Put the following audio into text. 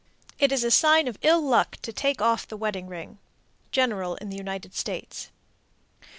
It is a sign of ill luck to take off the wedding ring. _General in the United States.